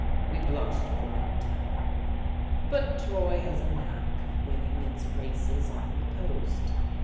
We blushed for our town. But Troy has a knack of winning its races on the post.